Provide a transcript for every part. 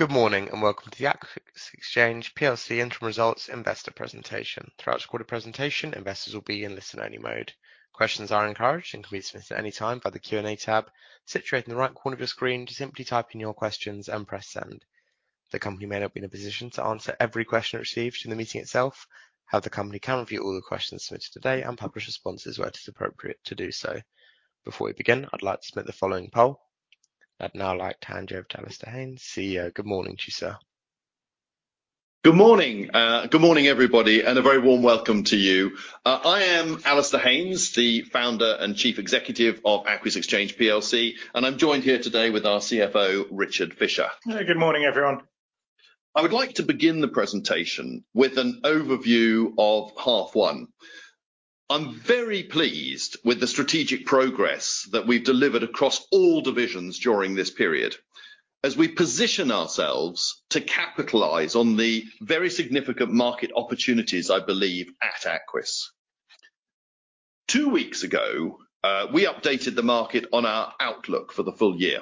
Good morning, and welcome to the Aquis Exchange PLC Interim Results Investor Presentation. Throughout the quarter presentation, investors will be in listen-only mode. Questions are encouraged and can be submitted at any time via the Q&A tab situated in the right corner of your screen. Just simply type in your questions and press Send. The company may not be in a position to answer every question received in the meeting itself, however, the company can review all the questions submitted today and publish responses where it is appropriate to do so. Before we begin, I'd like to submit the following poll. I'd now like to hand you over to Alasdair Haynes, CEO. Good morning to you, sir. Good morning. Good morning, everybody, and a very warm welcome to you. I am Alasdair Haynes, the founder and Chief Executive of Aquis Exchange PLC, and I'm joined here today with our CFO, Richard Fisher. Good morning, everyone. I would like to begin the presentation with an overview of half one. I'm very pleased with the strategic progress that we've delivered across all divisions during this period, as we position ourselves to capitalize on the very significant market opportunities, I believe, at Aquis. Two weeks ago, we updated the market on our outlook for the full year.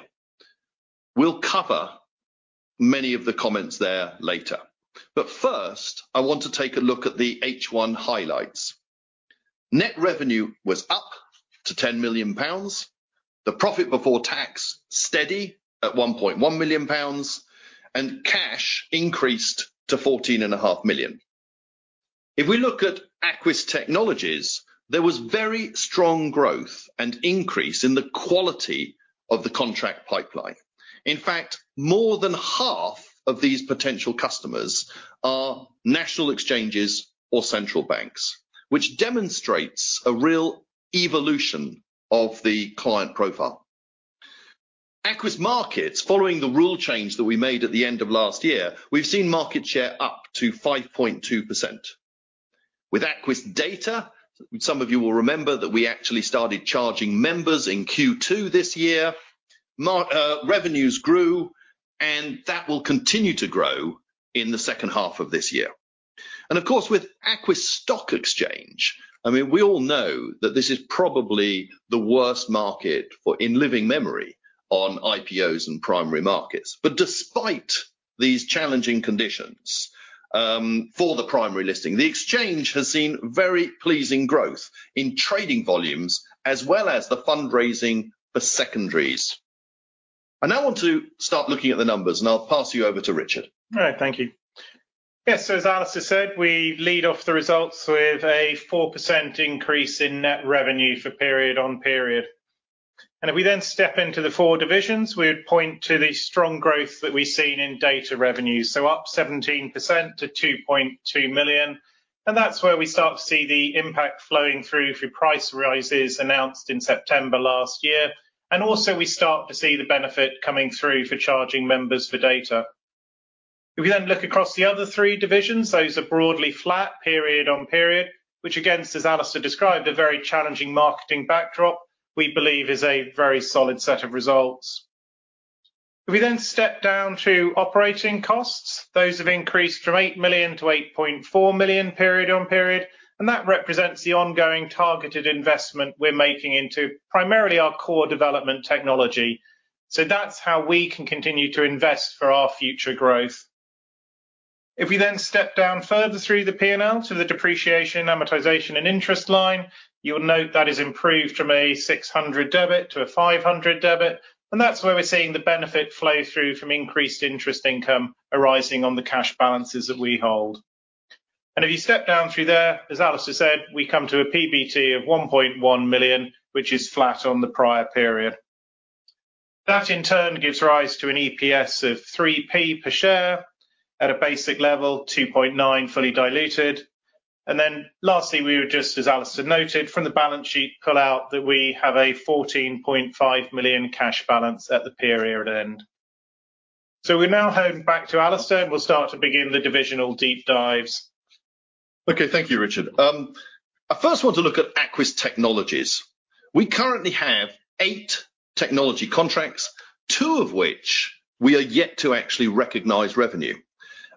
We'll cover many of the comments there later. But first, I want to take a look at the H1 highlights. Net revenue was up to 10 million pounds, the profit before tax steady at 1.1 million pounds, and cash increased to 14.5 million. If we look at Aquis Technologies, there was very strong growth and increase in the quality of the contract pipeline. In fact, more than half of these potential customers are national exchanges or central banks, which demonstrates a real evolution of the client profile. Aquis Markets, following the rule change that we made at the end of last year, we've seen market share up to 5.2%. With Aquis Data, some of you will remember that we actually started charging members in Q2 this year. Revenues grew, and that will continue to grow in the second half of this year. Of course, with Aquis Stock Exchange, I mean, we all know that this is probably the worst market for, in living memory on IPOs and primary markets. Despite these challenging conditions, for the primary listing, the exchange has seen very pleasing growth in trading volumes, as well as the fundraising for secondaries. I now want to start looking at the numbers, and I'll pass you over to Richard. All right, thank you. Yes, so as Alasdair said, we lead off the results with a 4% increase in net revenue for period on period. And if we then step into the four divisions, we would point to the strong growth that we've seen in data revenues, so up 17% to 2.2 million, and that's where we start to see the impact flowing through price rises announced in September last year. And also, we start to see the benefit coming through for charging members for data. If we then look across the other three divisions, those are broadly flat period on period, which again, as Alasdair described, a very challenging market backdrop, we believe is a very solid set of results. If we then step down to operating costs, those have increased from 8 million to 8.4 million period on period, and that represents the ongoing targeted investment we're making into primarily our core development technology. So that's how we can continue to invest for our future growth. If we then step down further through the P&L to the depreciation, amortization, and interest line, you'll note that is improved from a 600 debit to a 500 debit, and that's where we're seeing the benefit flow through from increased interest income arising on the cash balances that we hold. And if you step down through there, as Alasdair said, we come to a PBT of 1.1 million, which is flat on the prior period. That, in turn, gives rise to an EPS of 0.03 per share at a basic level, 0.029, fully diluted. And then lastly, we were just, as Alasdair noted, from the balance sheet, call out that we have a 14.5 million cash balance at the period end. So we now hand back to Alasdair, and we'll start to begin the divisional deep dives. Okay, thank you, Richard. I first want to look at Aquis Technologies. We currently have eight technology contracts, two of which we are yet to actually recognize revenue.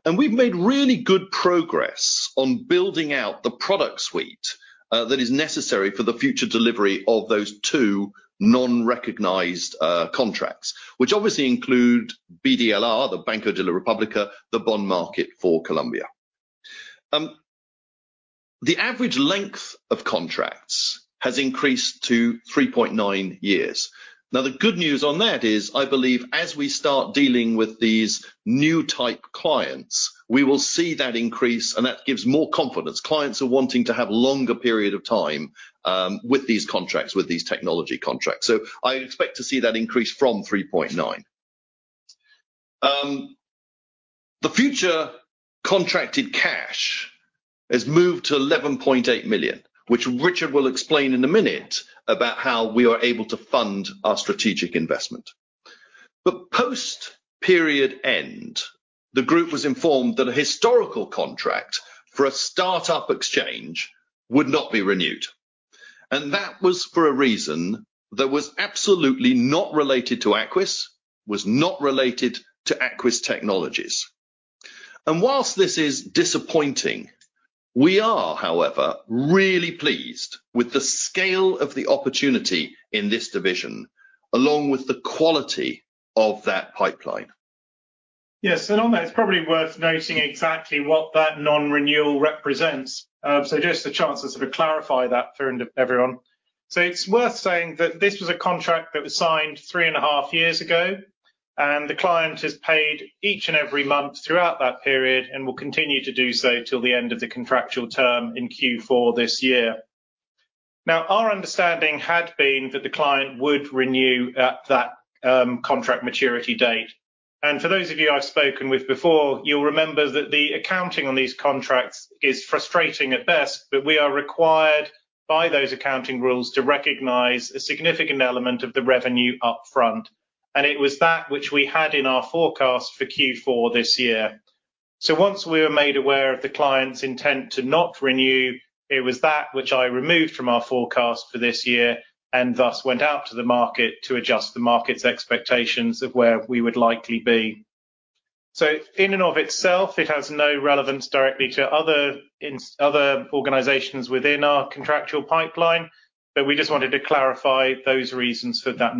And we've made really good progress on building out the product suite, that is necessary for the future delivery of those two non-recognized contracts, which obviously include BDLR, the Banco de la República, the bond market for Colombia. The average length of contracts has increased to 3.9 years. Now, the good news on that is, I believe, as we start dealing with these new type clients, we will see that increase, and that gives more confidence. Clients are wanting to have longer period of time, with these contracts, with these technology contracts. So I expect to see that increase from 3.9. The future contracted cash has moved to 11.8 million, which Richard will explain in a minute about how we are able to fund our strategic investment. But post-period end, the group was informed that a historical contract for a start-up exchange would not be renewed, and that was for a reason that was absolutely not related to Aquis, was not related to Aquis Technologies. And while this is disappointing, we are, however, really pleased with the scale of the opportunity in this division, along with the quality of that pipeline. Yes, and on that, it's probably worth noting exactly what that non-renewal represents. So just the chance to sort of clarify that for everyone. So it's worth saying that this was a contract that was signed three and a half years ago, and the client has paid each and every month throughout that period, and will continue to do so till the end of the contractual term in Q4 this year. Now, our understanding had been that the client would renew at that, contract maturity date. And for those of you I've spoken with before, you'll remember that the accounting on these contracts is frustrating at best, but we are required by those accounting rules to recognize a significant element of the revenue upfront. And it was that which we had in our forecast for Q4 this year. Once we were made aware of the client's intent to not renew, it was that which I removed from our forecast for this year, and thus went out to the market to adjust the market's expectations of where we would likely be. In and of itself, it has no relevance directly to other organizations within our contractual pipeline, but we just wanted to clarify those reasons for that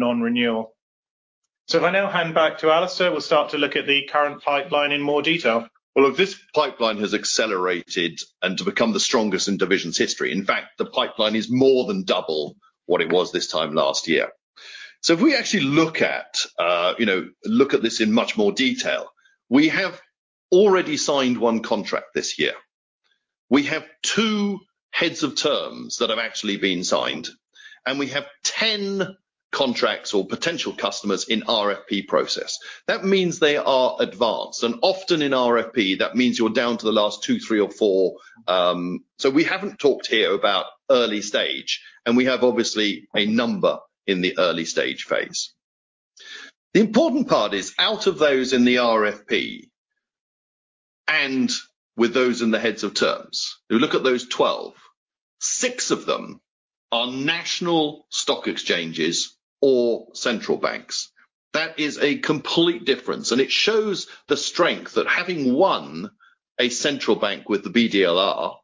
non-renewal. If I now hand back to Alasdair, we'll start to look at the current pipeline in more detail. Well, look, this pipeline has accelerated and to become the strongest in division's history. In fact, the pipeline is more than double what it was this time last year. So if we actually look at, you know, look at this in much more detail, we have already signed one contract this year. We have two heads of terms that have actually been signed, and we have ten contracts or potential customers in RFP process. That means they are advanced, and often in RFP, that means you're down to the last two, three, or four. So we haven't talked here about early stage, and we have obviously a number in the early stage phase. The important part is, out of those in the RFP, and with those in the heads of terms, if you look at those twelve, six of them are national stock exchanges or central banks. That is a complete difference, and it shows the strength that having won a central bank with the BDLR,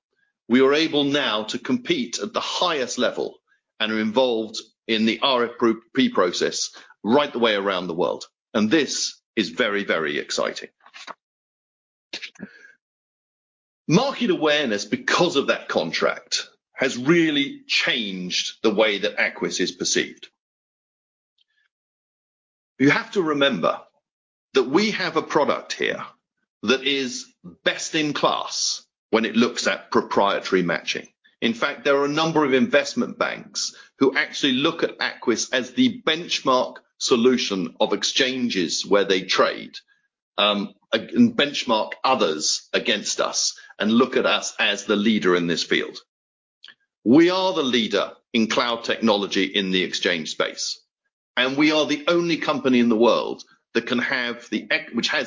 we are able now to compete at the highest level and are involved in the RFP process right the way around the world. And this is very, very exciting. Market awareness, because of that contract, has really changed the way that Aquis is perceived. You have to remember that we have a product here that is best in class when it looks at proprietary matching. In fact, there are a number of investment banks who actually look at Aquis as the benchmark solution of exchanges where they trade, and benchmark others against us, and look at us as the leader in this field. We are the leader in cloud technology in the exchange space, and we are the only company in the world that has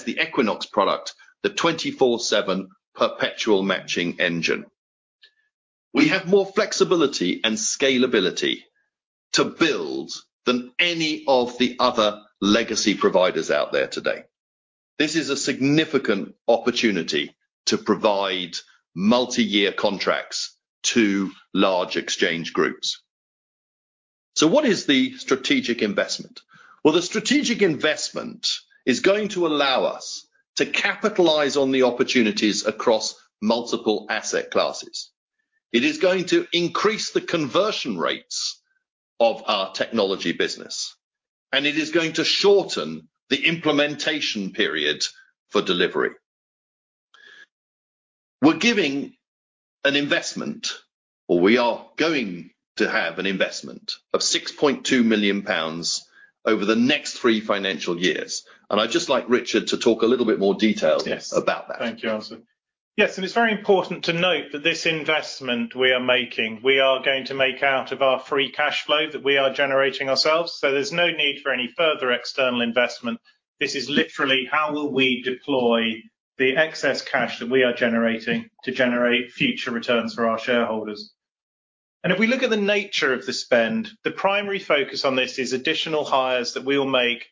the Equinox product, the 24/7 perpetual matching engine. We have more flexibility and scalability to build than any of the other legacy providers out there today. This is a significant opportunity to provide multi-year contracts to large exchange groups. So what is the strategic investment? Well, the strategic investment is going to allow us to capitalize on the opportunities across multiple asset classes. It is going to increase the conversion rates of our technology business, and it is going to shorten the implementation period for delivery. We're giving an investment, or we are going to have an investment of 6.2 million pounds over the next three financial years, and I'd just like Richard to talk a little bit more detail. Yes. -about that. Thank you, Alasdair. Yes, and it's very important to note that this investment we are making, we are going to make out of our free cash flow that we are generating ourselves, so there's no need for any further external investment. This is literally how will we deploy the excess cash that we are generating to generate future returns for our shareholders, and if we look at the nature of the spend, the primary focus on this is additional hires that we'll make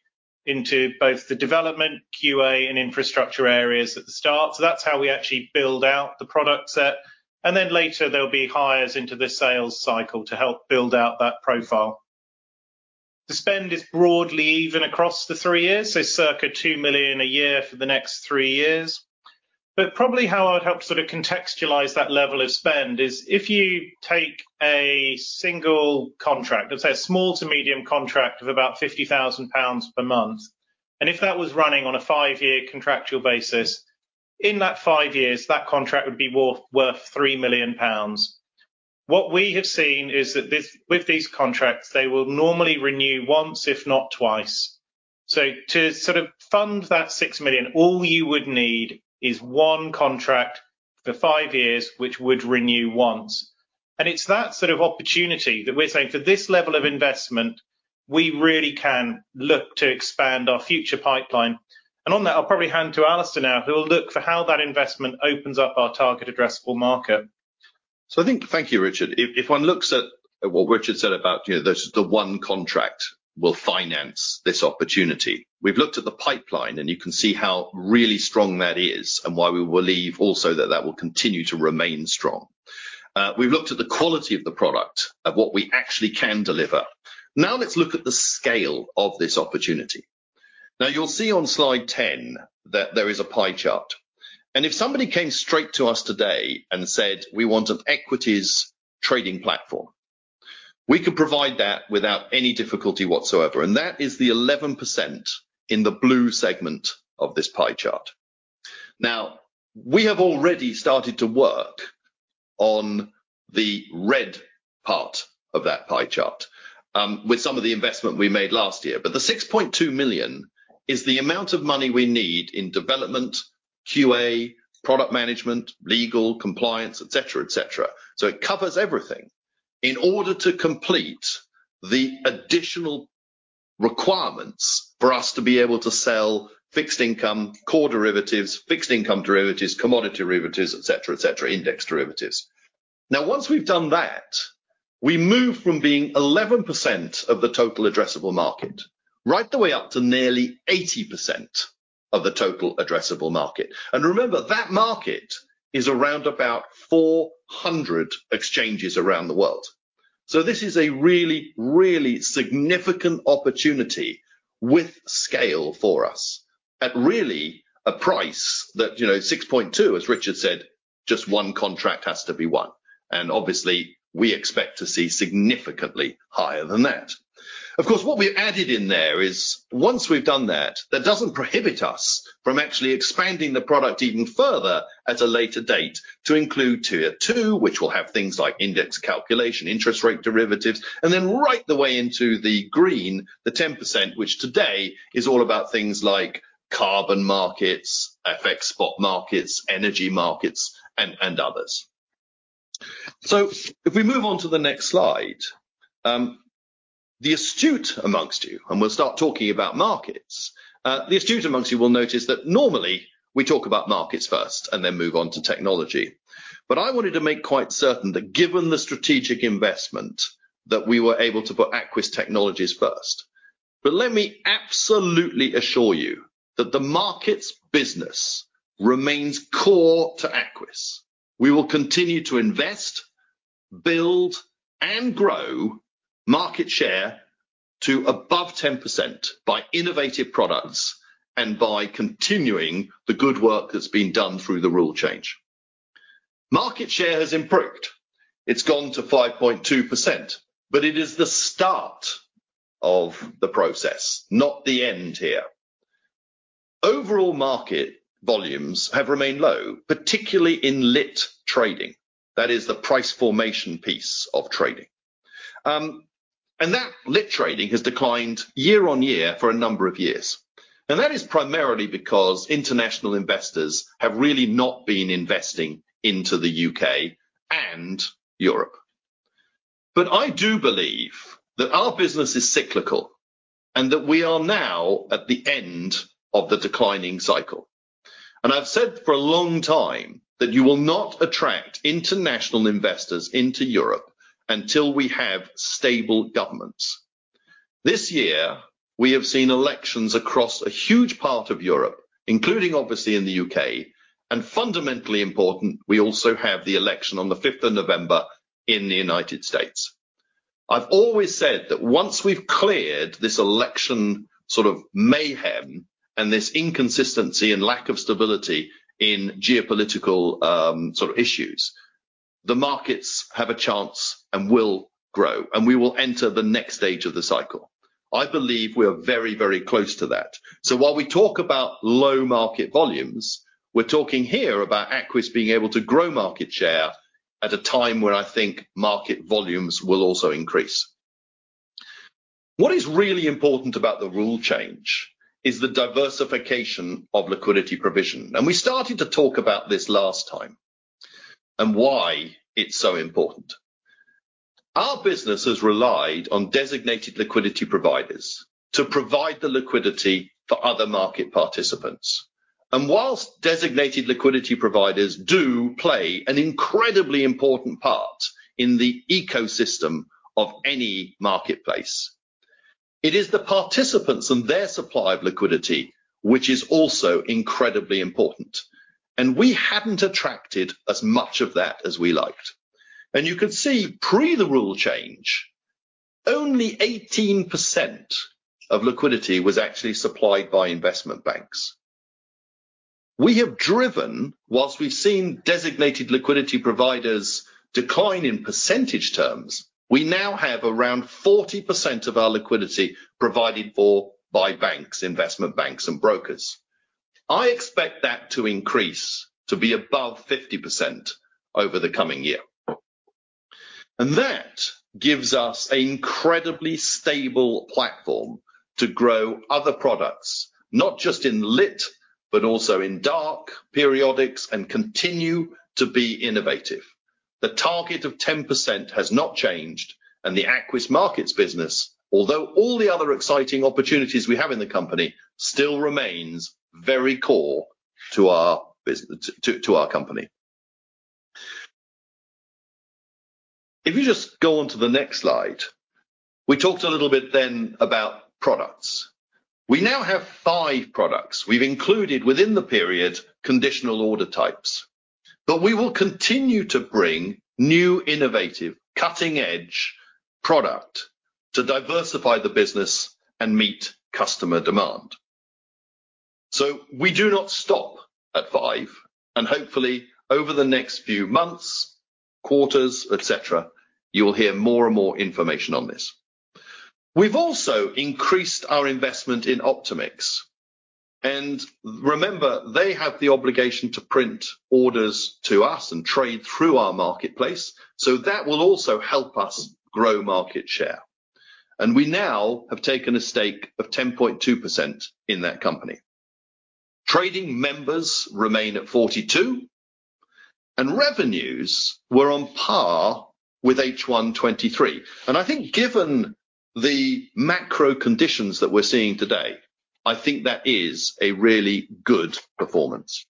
into both the development, QA, and infrastructure areas at the start, so that's how we actually build out the product set, and then later, there'll be hires into the sales cycle to help build out that profile. The spend is broadly even across the three years, so circa 2 million a year for the next three years. But probably how I'd help sort of contextualize that level of spend is if you take a single contract, let's say, a small to medium contract of about 50,000 pounds per month, and if that was running on a five year contractual basis, in that five years, that contract would be worth 3 million pounds. What we have seen is that this, with these contracts, they will normally renew once, if not twice. So to sort of fund that 6 million, all you would need is one contract for five years, which would renew once. And it's that sort of opportunity that we're saying for this level of investment, we really can look to expand our future pipeline. And on that, I'll probably hand to Alasdair now, who will look for how that investment opens up our target addressable market.... So I think, thank you, Richard. If one looks at what Richard said about, you know, this, the one contract will finance this opportunity. We've looked at the pipeline, and you can see how really strong that is and why we believe also that that will continue to remain strong. We've looked at the quality of the product, at what we actually can deliver. Now, let's look at the scale of this opportunity. Now, you'll see on slide 10 that there is a pie chart, and if somebody came straight to us today and said, "We want an equities trading platform," we could provide that without any difficulty whatsoever, and that is the 11% in the blue segment of this pie chart. Now, we have already started to work on the red part of that pie chart with some of the investment we made last year. But the 6.2 million is the amount of money we need in development, QA, product management, legal, compliance, et cetera, et cetera. So it covers everything. In order to complete the additional requirements for us to be able to sell fixed income, core derivatives, fixed income derivatives, commodity derivatives, et cetera, et cetera, index derivatives. Now, once we've done that, we move from being 11% of the total addressable market, right the way up to nearly 80% of the total addressable market. Remember, that market is around about 400 exchanges around the world. So this is a really, really significant opportunity with scale for us, at really a price that, you know, six point two, as Richard said, just one contract has to be won, and obviously, we expect to see significantly higher than that. Of course, what we added in there is, once we've done that, that doesn't prohibit us from actually expanding the product even further at a later date to include Tier two, which will have things like index calculation, interest rate derivatives, and then right the way into the green, the 10%, which today is all about things like carbon markets, FX spot markets, energy markets, and others. So if we move on to the next slide, the astute amongst you, and we'll start talking about markets. The astute amongst you will notice that normally we talk about markets first and then move on to technology. But I wanted to make quite certain that given the strategic investment, that we were able to put Aquis Technologies first. But let me absolutely assure you that the markets business remains core to Aquis. We will continue to invest, build, and grow market share to above 10% by innovative products and by continuing the good work that's been done through the rule change. Market share has improved. It's gone to 5.2%, but it is the start of the process, not the end here. Overall market volumes have remained low, particularly in lit trading. That is the price formation piece of trading. And that lit trading has declined year on year for a number of years, and that is primarily because international investors have really not been investing into the U.K. and Europe. But I do believe that our business is cyclical and that we are now at the end of the declining cycle. And I've said for a long time that you will not attract international investors into Europe until we have stable governments. This year, we have seen elections across a huge part of Europe, including, obviously, in the U.K., and fundamentally important, we also have the election on the fifth of November in the United States. I've always said that once we've cleared this election sort of mayhem and this inconsistency and lack of stability in geopolitical, sort of issues, the markets have a chance and will grow, and we will enter the next stage of the cycle. I believe we are very, very close to that. So while we talk about low market volumes, we're talking here about Aquis being able to grow market share at a time where I think market volumes will also increase. What is really important about the rule change is the diversification of liquidity provision, and we started to talk about this last time and why it's so important. Our business has relied on designated liquidity providers to provide the liquidity for other market participants. Whilst designated liquidity providers do play an incredibly important part in the ecosystem of any marketplace, it is the participants and their supply of liquidity, which is also incredibly important, and we hadn't attracted as much of that as we liked. You can see, pre the rule change, only 18% of liquidity was actually supplied by investment banks. We have driven, whilst we've seen designated liquidity providers decline in percentage terms, we now have around 40% of our liquidity provided for by banks, investment banks, and brokers. I expect that to increase to be above 50% over the coming year. That gives us an incredibly stable platform to grow other products, not just in lit, but also in dark, periodics, and continue to be innovative. The target of 10% has not changed, and the Aquis Markets business, although all the other exciting opportunities we have in the company, still remains very core to our business, to our company. If you just go on to the next slide, we talked a little bit then about products. We now have five products. We've included within the period, conditional order types. But we will continue to bring new, innovative, cutting-edge product to diversify the business and meet customer demand. We do not stop at five, and hopefully over the next few months, quarters, et cetera, you'll hear more and more information on this. We've also increased our investment in OptimX, and remember, they have the obligation to print orders to us and trade through our marketplace, so that will also help us grow market share. We now have taken a stake of 10.2% in that company. Trading members remain at 42, and revenues were on par with H1 2023. I think, given the macro conditions that we're seeing today, I think that is a really good performance.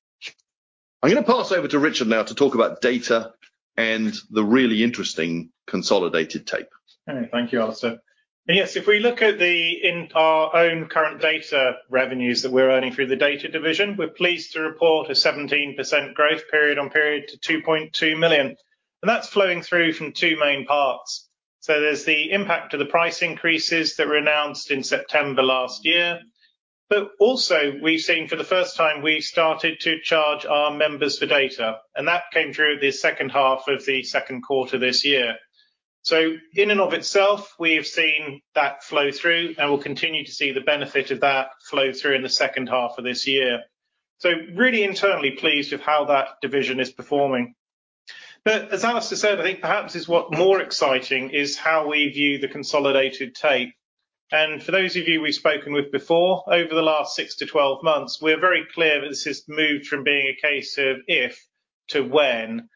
I'm gonna pass over to Richard now to talk about data and the really interesting consolidated tape. Okay. Thank you, Alasdair. And yes, if we look at the in our own current data revenues that we're earning through the data division, we're pleased to report a 17% growth period on period to 2.2 million, and that's flowing through from two main parts. So there's the impact of the price increases that were announced in September last year, but also we've seen for the first time we started to charge our members for data, and that came through the second half of the second quarter this year. So in and of itself, we have seen that flow through, and we'll continue to see the benefit of that flow through in the second half of this year. So really internally pleased with how that division is performing. But as Alasdair said, I think perhaps what is more exciting is how we view the consolidated tape, and for those of you we've spoken with before, over the last six to twelve months, we're very clear that this has moved from being a case of if to when.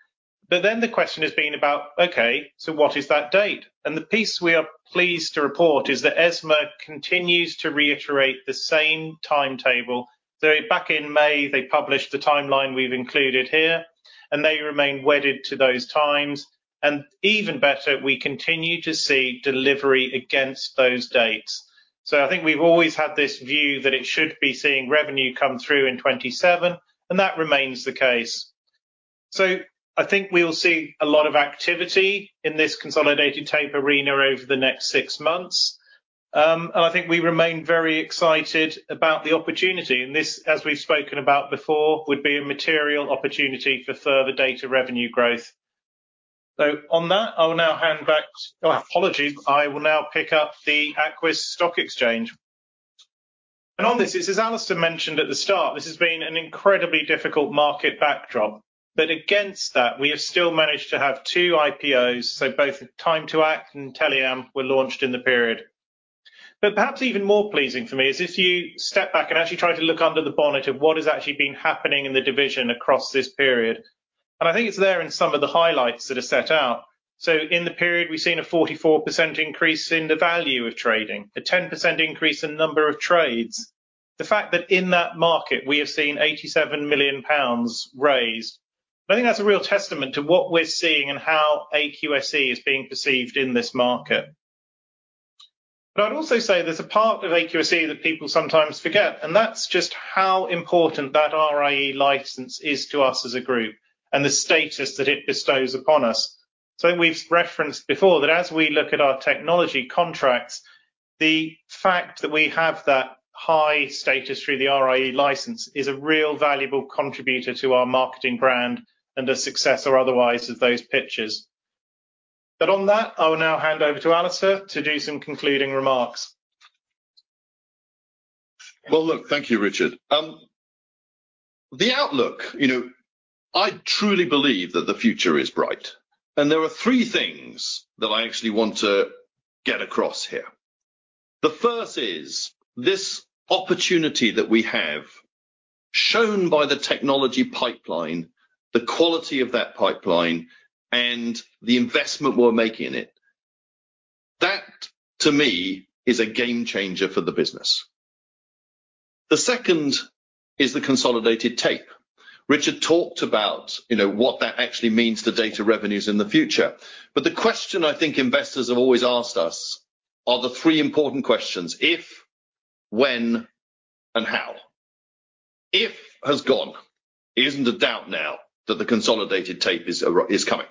But then the question has been about, okay, so what is that date? And the piece we are pleased to report is that ESMA continues to reiterate the same timetable. So back in May, they published the timeline we've included here, and they remain wedded to those times. And even better, we continue to see delivery against those dates. So I think we've always had this view that it should be seeing revenue come through in 2027, and that remains the case. So I think we'll see a lot of activity in this consolidated tape arena over the next six months. And I think we remain very excited about the opportunity, and this, as we've spoken about before, would be a material opportunity for further data revenue growth. So on that, I will now hand back. Oh, apologies. I will now pick up the Aquis Stock Exchange. And on this, as Alasdair mentioned at the start, this has been an incredibly difficult market backdrop, but against that, we have still managed to have two IPOs, so both Time To Act and Tectonic Gold were launched in the period. But perhaps even more pleasing for me is if you step back and actually try to look under the bonnet of what has actually been happening in the division across this period, and I think it's there in some of the highlights that are set out. So in the period, we've seen a 44% increase in the value of trading, a 10% increase in number of trades. The fact that in that market we have seen 87 million pounds raised, I think that's a real testament to what we're seeing and how AQSE is being perceived in this market. But I'd also say there's a part of AQSE that people sometimes forget, and that's just how important that RIE license is to us as a group, and the status that it bestows upon us. So we've referenced before that as we look at our technology contracts, the fact that we have that high status through the RIE license is a real valuable contributor to our marketing brand and the success or otherwise of those pitches. But on that, I will now hand over to Alasdair to do some concluding remarks. Well, look, thank you, Richard. The outlook, you know, I truly believe that the future is bright, and there are three things that I actually want to get across here. The first is this opportunity that we have, shown by the technology pipeline, the quality of that pipeline, and the investment we're making in it. That, to me, is a game changer for the business. The second is the consolidated tape. Richard talked about, you know, what that actually means to data revenues in the future. But the question I think investors have always asked us are the three important questions: If, when, and how? If has gone. It isn't in doubt now that the consolidated tape is coming.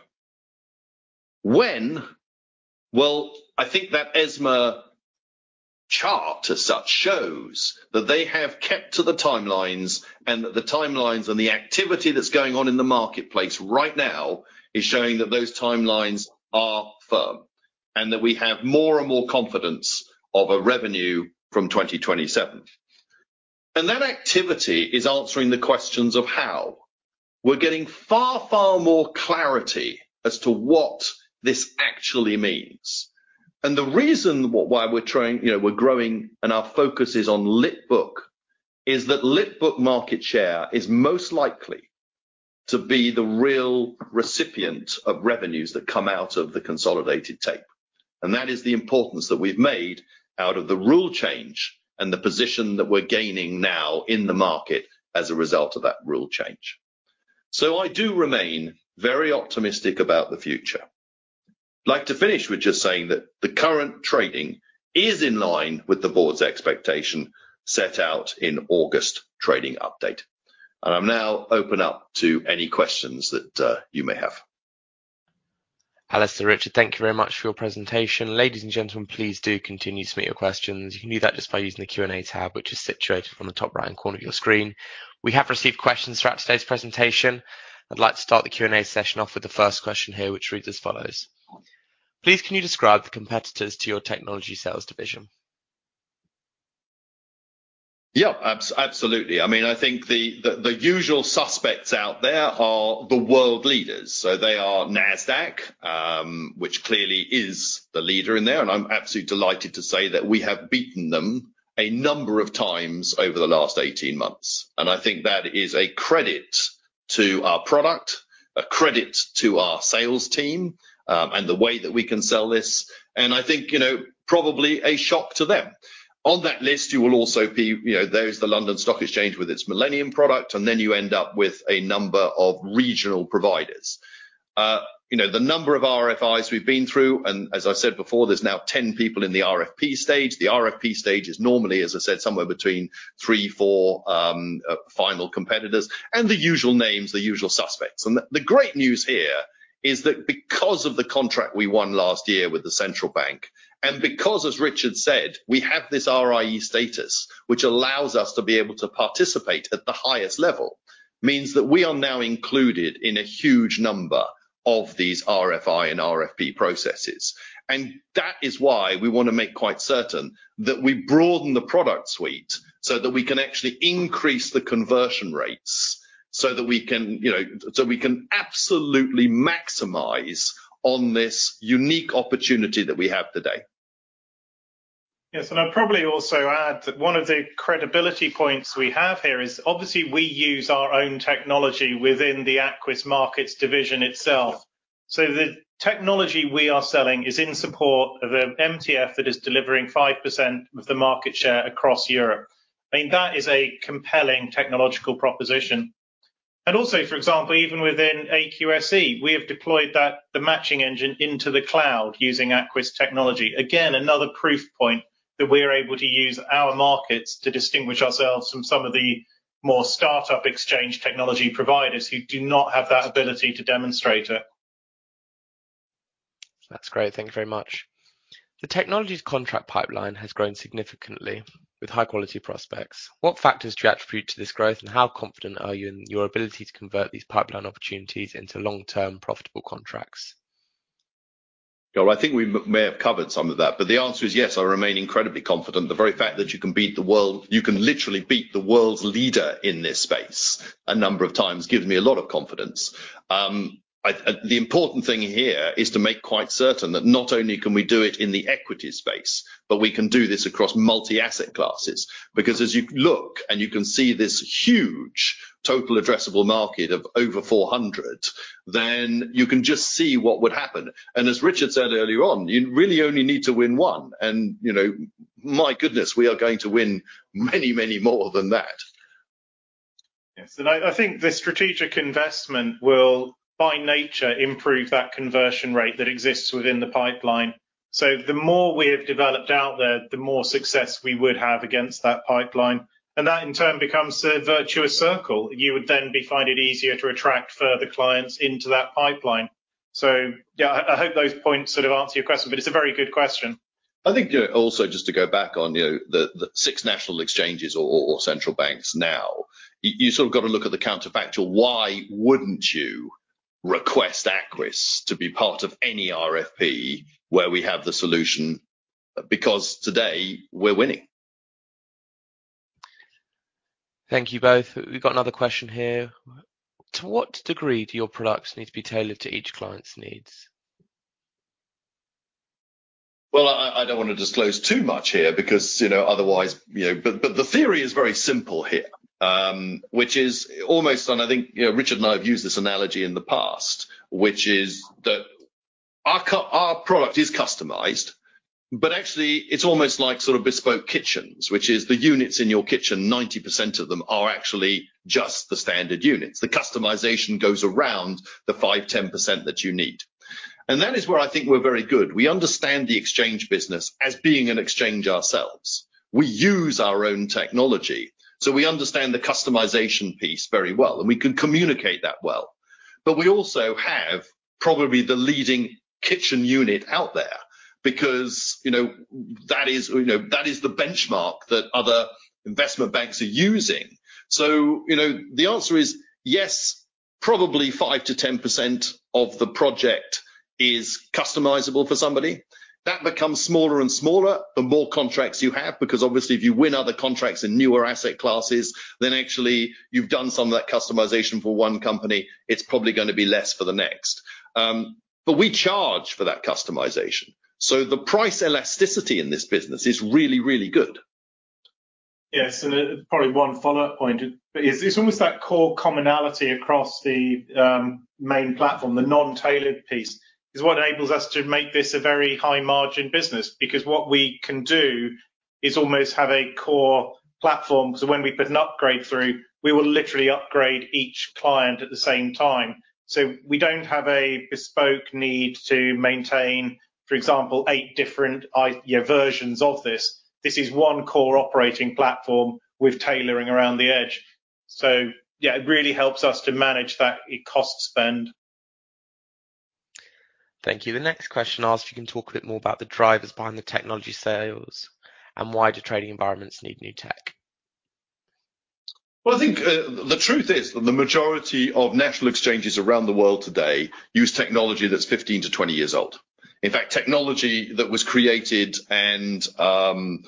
When? I think that ESMA chart as such shows that they have kept to the timelines, and that the timelines and the activity that's going on in the marketplace right now is showing that those timelines are firm, and that we have more and more confidence of a revenue from 2027. That activity is answering the questions of how. We're getting far, far more clarity as to what this actually means. The reason why we're trying, you know, we're growing and our focus is on lit book, is that lit book market share is most likely to be the real recipient of revenues that come out of the consolidated tape, and that is the importance that we've made out of the rule change and the position that we're gaining now in the market as a result of that rule change. So I do remain very optimistic about the future. I'd like to finish with just saying that the current trading is in line with the board's expectation set out in August trading update, and I'm now open up to any questions that you may have. Alasdair, Richard, thank you very much for your presentation. Ladies and gentlemen, please do continue to submit your questions. You can do that just by using the Q&A tab, which is situated on the top right corner of your screen. We have received questions throughout today's presentation. I'd like to start the Q&A session off with the first question here, which reads as follows: Please, can you describe the competitors to your technology sales division? Yeah, absolutely. I mean, I think the usual suspects out there are the world leaders, so they are Nasdaq, which clearly is the leader in there, and I'm absolutely delighted to say that we have beaten them a number of times over the last 18 months. I think that is a credit to our product, a credit to our sales team, and the way that we can sell this, and I think, you know, probably a shock to them. On that list, you will also be, you know, there's the London Stock Exchange with its Millennium product, and then you end up with a number of regional providers. You know, the number of RFIs we've been through, and as I said before, there's now 10 people in the RFP stage. The RFP stage is normally, as I said, somewhere between three, four, final competitors, and the usual names, the usual suspects. And the great news here is that because of the contract we won last year with the central bank, and because, as Richard said, we have this RIE status, which allows us to be able to participate at the highest level, means that we are now included in a huge number of these RFI and RFP processes. And that is why we wanna make quite certain that we broaden the product suite, so that we can actually increase the conversion rates, so that we can, you know, so we can absolutely maximize on this unique opportunity that we have today. Yes, and I'd probably also add that one of the credibility points we have here is, obviously, we use our own technology within the Aquis Markets division itself. So the technology we are selling is in support of an MTF that is delivering 5% of the market share across Europe. I mean, that is a compelling technological proposition. And also, for example, even within AQSE, we have deployed that, the matching engine into the cloud using Aquis technology. Again, another proof point that we're able to use our markets to distinguish ourselves from some of the more start-up exchange technology providers who do not have that ability to demonstrate it. That's great. Thank you very much. The technologies contract pipeline has grown significantly with high-quality prospects. What factors do you attribute to this growth, and how confident are you in your ability to convert these pipeline opportunities into long-term, profitable contracts? I think we may have covered some of that, but the answer is yes, I remain incredibly confident. The very fact that you can beat the world, you can literally beat the world's leader in this space a number of times, gives me a lot of confidence. The important thing here is to make quite certain that not only can we do it in the equity space, but we can do this across multi-asset classes. Because as you look and you can see this huge total addressable market of over 400, then you can just see what would happen. And as Richard said earlier on, you really only need to win one, and you know, my goodness, we are going to win many, many more than that. Yes, and I think the strategic investment will by nature improve that conversion rate that exists within the pipeline. So the more we have developed out there, the more success we would have against that pipeline, and that, in turn, becomes a virtuous circle. You would then be finding it easier to attract further clients into that pipeline. So yeah, I hope those points sort of answer your question, but it's a very good question. I think, also, just to go back on, you know, the six national exchanges or central banks now, you sort of got to look at the counterfactual, why wouldn't you request Aquis to be part of any RFP where we have the solution? Because today, we're winning. Thank you both. We've got another question here. To what degree do your products need to be tailored to each client's needs? Well, I don't want to disclose too much here because, you know, otherwise... You know, but the theory is very simple here, which is almost, and I think, you know, Richard and I have used this analogy in the past, which is that our product is customized, but actually, it's almost like sort of bespoke kitchens, which is the units in your kitchen, 90% of them are actually just the standard units. The customization goes around the 5%-10% that you need. And that is where I think we're very good. We understand the exchange business as being an exchange ourselves. We use our own technology, so we understand the customization piece very well, and we can communicate that well. But we also have probably the leading kitchen unit out there because, you know, that is, you know, that is the benchmark that other investment banks are using. So, you know, the answer is yes, probably 5%-10% of the project is customizable for somebody. That becomes smaller and smaller the more contracts you have, because obviously, if you win other contracts in newer asset classes, then actually you've done some of that customization for one company, it's probably gonna be less for the next. But we charge for that customization, so the price elasticity in this business is really, really good.... Yes, and probably one follow-up point. But it's almost that core commonality across the main platform, the non-tailored piece, is what enables us to make this a very high-margin business. Because what we can do is almost have a core platform, so when we put an upgrade through, we will literally upgrade each client at the same time. So we don't have a bespoke need to maintain, for example, eight different versions of this. This is one core operating platform with tailoring around the edge. So yeah, it really helps us to manage that cost spend. Thank you. The next question asks if you can talk a bit more about the drivers behind the technology sales, and why do trading environments need new tech? I think the truth is that the majority of national exchanges around the world today use technology that's 15-20 years old. In fact, technology that was created and, you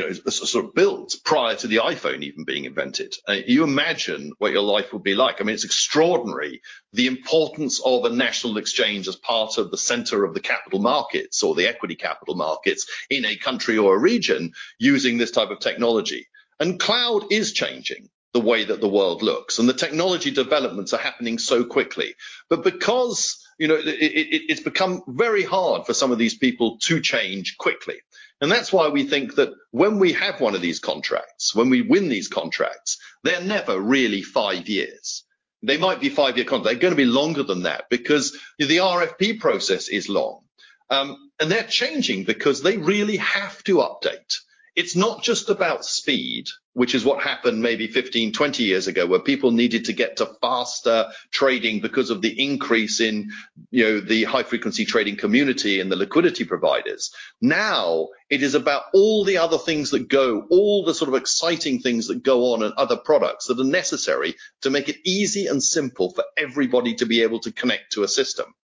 know, sort of built prior to the iPhone even being invented. You imagine what your life would be like. I mean, it's extraordinary the importance of a national exchange as part of the center of the capital markets or the equity capital markets in a country or a region using this type of technology. And cloud is changing the way that the world looks, and the technology developments are happening so quickly. But because, you know, it's become very hard for some of these people to change quickly, and that's why we think that when we have one of these contracts, when we win these contracts, they're never really five years. They might be five-year. They're gonna be longer than that because the RFP process is long. And they're changing because they really have to update. It's not just about speed, which is what happened maybe 15, 20 years ago, where people needed to get to faster trading because of the increase in, you know, the high-frequency trading community and the liquidity providers. Now, it is about all the other things that go, all the sort of exciting things that go on and other products that are necessary to make it easy and simple for everybody to be able to connect to a system.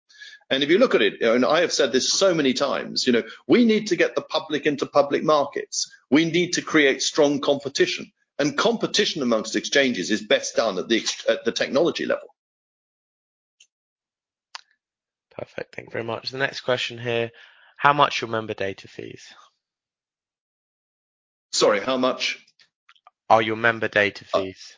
And if you look at it, and I have said this so many times, you know, we need to get the public into public markets. We need to create strong competition. And competition amongst exchanges is best done at the technology level. Perfect. Thank you very much. The next question here: How much are your member data fees? Sorry, how much? Are your member data fees?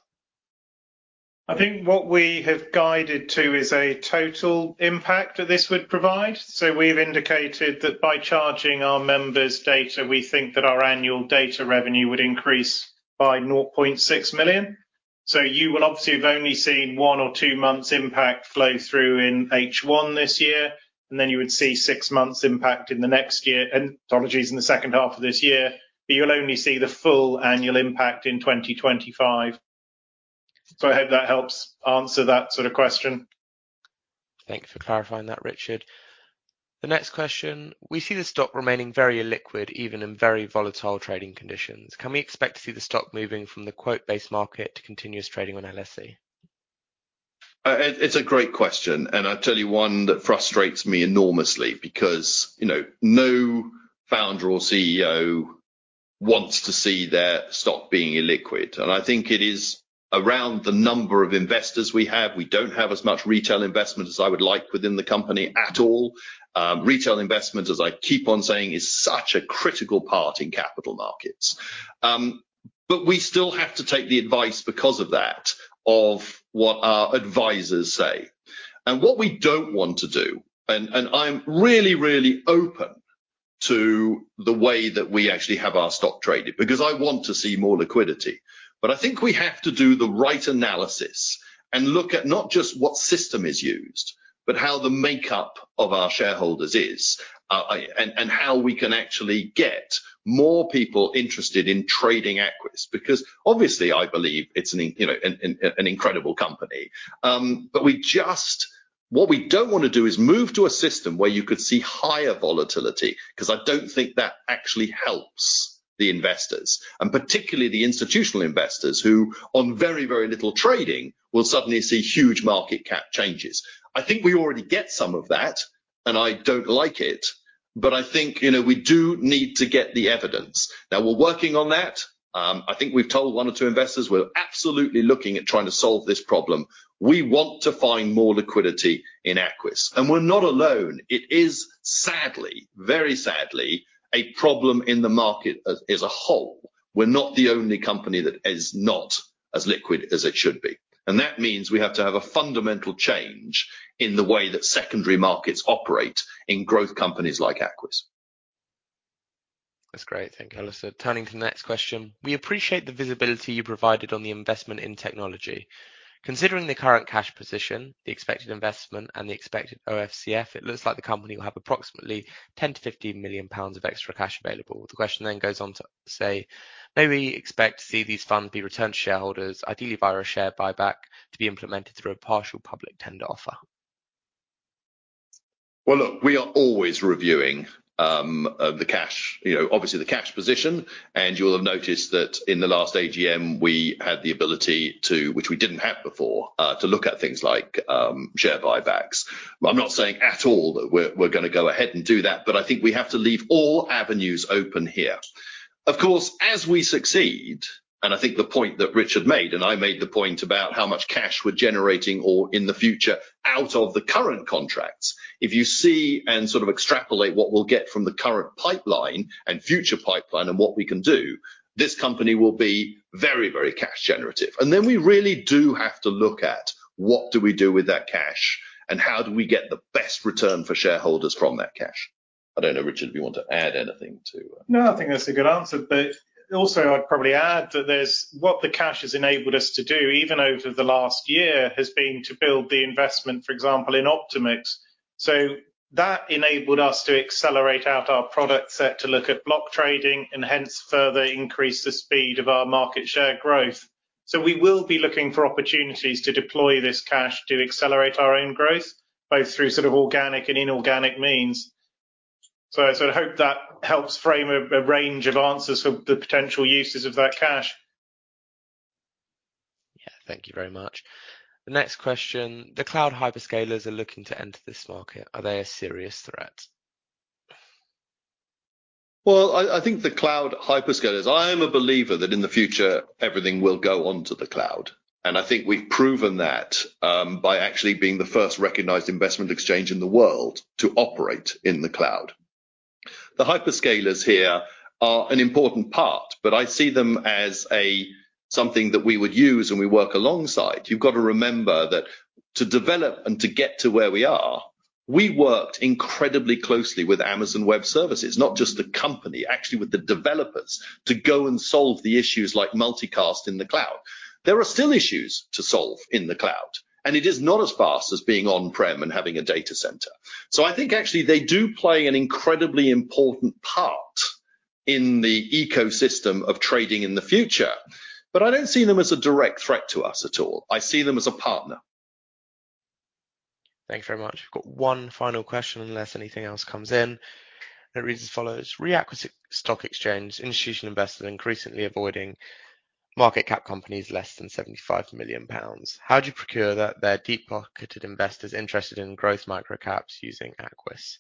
Oh. I think what we have guided to is a total impact that this would provide. So we've indicated that by charging our members data, we think that our annual data revenue would increase by 0.6 million. So you will obviously have only seen one or two months impact flow through in H1 this year, and then you would see six months impact in the next year, apologies, in the second half of this year, but you'll only see the full annual impact in 2025. So I hope that helps answer that sort of question. Thank you for clarifying that, Richard. The next question: We see the stock remaining very illiquid, even in very volatile trading conditions. Can we expect to see the stock moving from the quote-based market to continuous trading on LSE? It's a great question, and I'll tell you one that frustrates me enormously because, you know, no founder or CEO wants to see their stock being illiquid. And I think it is around the number of investors we have. We don't have as much retail investment as I would like within the company at all. Retail investment, as I keep on saying, is such a critical part in capital markets. But we still have to take the advice because of that, of what our advisors say. And what we don't want to do, and, and I'm really, really open to the way that we actually have our stock traded, because I want to see more liquidity. But I think we have to do the right analysis and look at not just what system is used, but how the makeup of our shareholders is, and how we can actually get more people interested in trading Aquis, because obviously, I believe it's you know, an incredible company. But what we don't want to do is move to a system where you could see higher volatility, 'cause I don't think that actually helps the investors, and particularly the institutional investors, who on very, very little trading, will suddenly see huge market cap changes. I think we already get some of that, and I don't like it, but I think, you know, we do need to get the evidence. Now, we're working on that. I think we've told one or two investors we're absolutely looking at trying to solve this problem. We want to find more liquidity in Aquis, and we're not alone. It is sadly, very sadly, a problem in the market as a whole. We're not the only company that is not as liquid as it should be, and that means we have to have a fundamental change in the way that secondary markets operate in growth companies like Aquis. That's great. Thank you. So turning to the next question: We appreciate the visibility you provided on the investment in technology. Considering the current cash position, the expected investment, and the expected OFCF, it looks like the company will have approximately 10 million-15 million pounds of extra cash available. The question then goes on to say, "May we expect to see these funds be returned to shareholders, ideally via a share buyback, to be implemented through a partial public tender offer? Well, look, we are always reviewing the cash, you know, obviously, the cash position, and you'll have noticed that in the last AGM, we had the ability to, which we didn't have before, to look at things like share buybacks. I'm not saying at all that we're gonna go ahead and do that, but I think we have to leave all avenues open here. Of course, as we succeed, and I think the point that Richard made, and I made the point about how much cash we're generating, or in the future, out of the current contracts, if you see and sort of extrapolate what we'll get from the current pipeline and future pipeline and what we can do, this company will be very, very cash generative. And then we really do have to look at what do we do with that cash, and how do we get the best return for shareholders from that cash? I don't know, Richard, if you want to add anything to, No, I think that's a good answer. But also I'd probably add that there's, what the cash has enabled us to do, even over the last year, has been to build the investment, for example, in OptimX. So that enabled us to accelerate out our product set to look at block trading and hence further increase the speed of our market share growth. So we will be looking for opportunities to deploy this cash to accelerate our own growth, both through sort of organic and inorganic means. So I sort of hope that helps frame a, a range of answers for the potential uses of that cash. Yeah. Thank you very much. The next question: The cloud hyperscalers are looking to enter this market. Are they a serious threat? I think the cloud hyperscalers. I am a believer that in the future, everything will go onto the cloud, and I think we've proven that by actually being the first recognized investment exchange in the world to operate in the cloud. The hyperscalers here are an important part, but I see them as something that we would use and we work alongside. You've got to remember that to develop and to get to where we are, we worked incredibly closely with Amazon Web Services, not just the company, actually with the developers, to go and solve the issues like multicast in the cloud. There are still issues to solve in the cloud, and it is not as fast as being on-prem and having a data center. So I think actually they do play an incredibly important part in the ecosystem of trading in the future, but I don't see them as a direct threat to us at all. I see them as a partner. Thank you very much. We've got one final question, unless anything else comes in. It reads as follows: Regarding Aquis Stock Exchange, institutional investors are increasingly avoiding market cap companies less than 75 million pounds. How do you ensure that deep-pocketed investors are interested in growth micro caps using Aquis?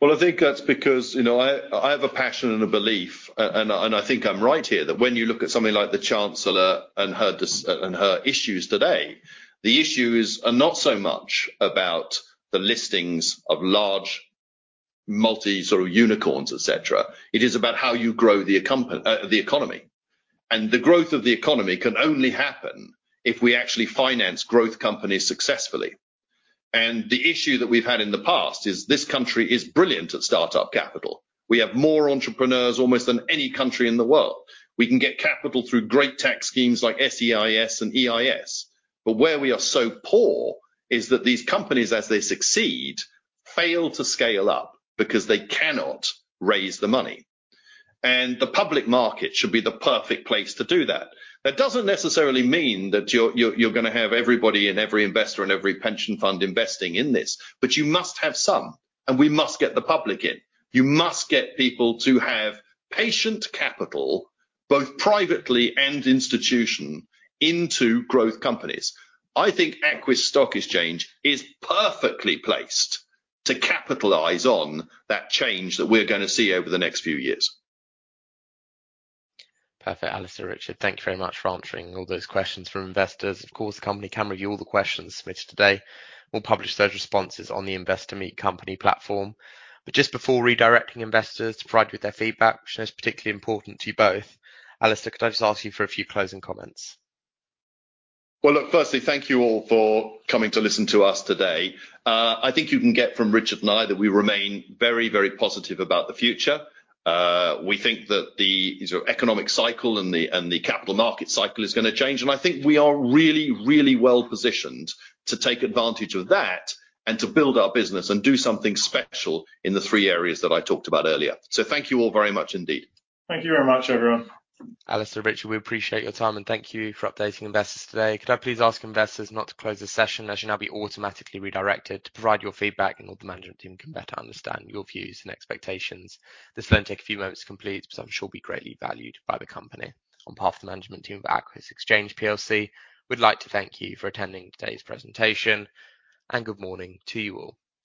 I think that's because, you know, I have a passion and a belief, and I think I'm right here, that when you look at somebody like the Chancellor and her issues today, the issues are not so much about the listings of large multi sort of unicorns, et cetera. It is about how you grow the economy. And the growth of the economy can only happen if we actually finance growth companies successfully. And the issue that we've had in the past is this country is brilliant at start-up capital. We have more entrepreneurs almost than any country in the world. We can get capital through great tax schemes like SEIS and EIS, but where we are so poor is that these companies, as they succeed, fail to scale up because they cannot raise the money, and the public market should be the perfect place to do that. That doesn't necessarily mean that you're gonna have everybody and every investor and every pension fund investing in this, but you must have some, and we must get the public in. You must get people to have patient capital, both privately and institutional, into growth companies. I think Aquis Stock Exchange is perfectly placed to capitalize on that change that we're gonna see over the next few years. Perfect. Alasdair, Richard, thank you very much for answering all those questions from investors. Of course, the company can review all the questions submitted today. We'll publish those responses on the Investor Meet Company platform. But just before redirecting investors to provide you with their feedback, which is particularly important to you both, Alasdair, could I just ask you for a few closing comments? Well, look, firstly, thank you all for coming to listen to us today. I think you can get from Richard and I that we remain very, very positive about the future. We think that the, you know, economic cycle and the, and the capital market cycle is gonna change, and I think we are really, really well positioned to take advantage of that and to build our business and do something special in the three areas that I talked about earlier. So thank you all very much indeed. Thank you very much, everyone. Alasdair, Richard, we appreciate your time, and thank you for updating investors today. Could I please ask investors not to close the session, as you'll now be automatically redirected to provide your feedback, and all the management team can better understand your views and expectations? This will only take a few moments to complete, but I'm sure will be greatly valued by the company. On behalf of the management team of Aquis Exchange PLC, we'd like to thank you for attending today's presentation, and good morning to you all.